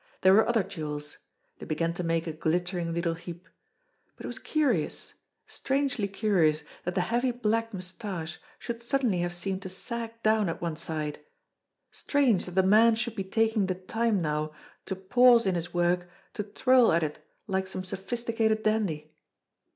There were other jewels. They began to make a glittering little heap. But it was curious, strangely curious that the heavy black moustache should suddenly have seemed to sag down at one side; strange that the man should be taking the time now to pause in his work to twirl at it like some sophisticated dandy